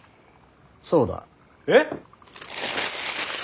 そうだ。えっ！